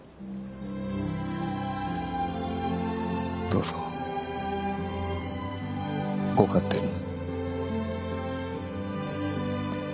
どうぞご勝手に。